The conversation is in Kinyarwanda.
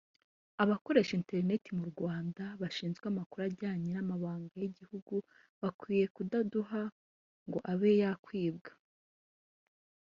Abakoresha interineti mu Rwanda bashinzwe amakuru ajyanye n’amabanga y’igihugu bakwiye kudahuga ngo abe yakwibwa